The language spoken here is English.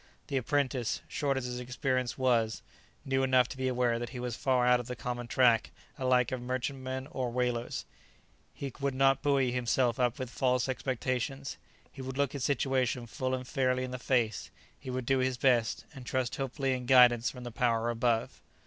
The apprentice, short as his experience was, knew enough to be aware that he was far out of the common track alike of merchantmen or whalers; he would not buoy himself up with false expectations; he would look his situation full and fairly in the face; he would do his best, and trust hopefully in guidance from the Power above.